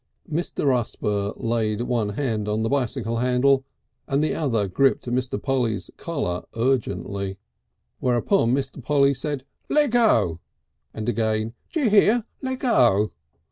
Mr. Rusper laid one hand on the bicycle handle, and the other gripped Mr. Polly's collar urgently. Whereupon Mr. Polly said: "Leggo!" and again, "D'you hear! Leggo!"